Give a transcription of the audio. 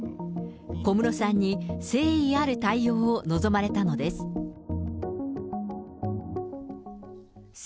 小室さんに誠意ある対応を望まれたのです。